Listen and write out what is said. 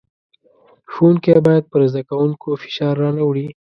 ښوونکی بايد پر زدکوونکو فشار را نۀ وړي.